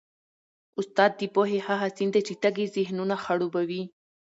استاد د پوهې هغه سیند دی چي تږي ذهنونه خړوبوي.